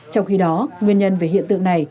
trong khi đó nguyên nhân về hiện tượng này